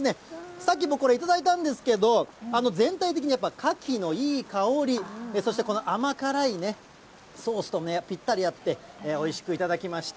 さっき、僕、これ頂いたんですけれども、全体的にやっぱカキのいい香り、そして、この甘辛いソースとぴったり合って、おいしく頂きました。